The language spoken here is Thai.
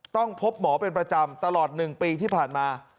ต้องพบหมอเป็นประจำตลอด๑ปีที่ผ่านมา